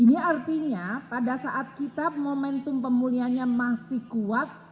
ini artinya pada saat kita momentum pemulihannya masih kuat